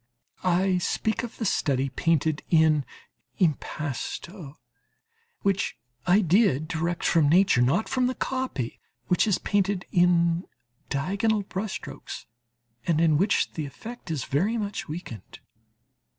I speak of the study painted in impasto, which I did direct from nature, not from the copy, which is painted in diagonal brush strokes and in which the effect is very much weakened.